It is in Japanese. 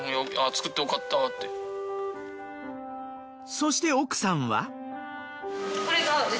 そして奥さんは。